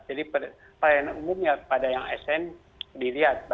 jadi pelayanan umumnya pada yang asn dilihat